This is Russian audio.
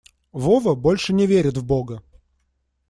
Вова больше не верит в бога.